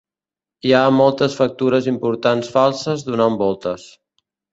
Hi ha moltes factures importants falses donant voltes.